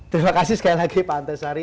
terima kasih sekali lagi pak antasari